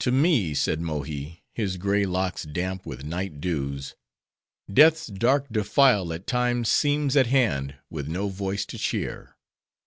"To me," said Mohi, his gray locks damp with night dews, "death's dark defile at times seems at hand, with no voice to cheer.